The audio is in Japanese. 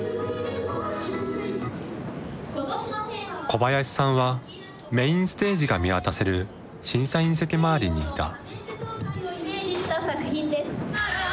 小林さんはメインステージが見渡せる審査員席まわりにいた。